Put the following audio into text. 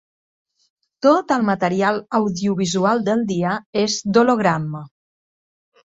Tot el material audiovisual del dia és d'Hologramme.